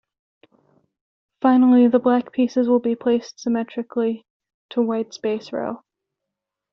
Finally the black pieces will be placed symmetrically to White's base row.